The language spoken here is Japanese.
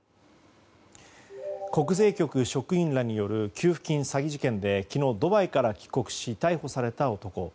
国税局職員らによる給付金詐欺事件で昨日ドバイから帰国し逮捕された男。